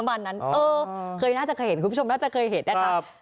ประมาณนั้นคุณผู้ชมน่าจะเคยเห็นได้ครับ